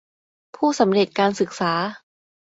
ผู้สำเร็จการศึกษา